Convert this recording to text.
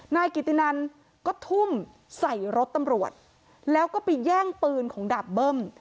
นายกิตินันก็ทุ่มใส่รถตำรวจแล้วก็ไปแย่งปืนของดาบเบิ้ม